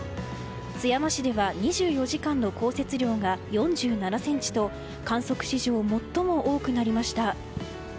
津山市では２４時間の降雪量が４７ｃｍと観測史上最も多くなりました。